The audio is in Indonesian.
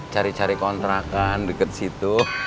cari cari kontrakan dekat situ